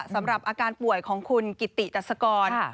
สำหรับอาการป่วยของคุณกิติจัสกร